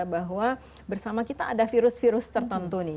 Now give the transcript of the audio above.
bahwa bersama kita ada virus virus tertentu nih